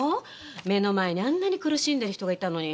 目の前にあんなに苦しんでる人がいたのに。